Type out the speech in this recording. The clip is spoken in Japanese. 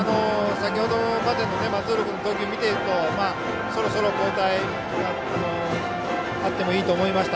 先ほどまでの松浦君の投球を見ているとそろそろ交代があってもいいと思いました。